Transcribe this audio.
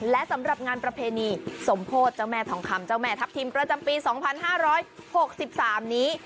และสำหรับงานประเพณีสมโพธิเจ้าแม่ทองคำเจ้าแม่ทัพทิมประจำปี๒๕๖๓นี้